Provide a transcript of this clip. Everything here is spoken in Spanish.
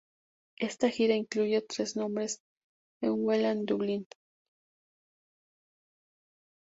Esta gira incluye tres noches en Whelan Dublín.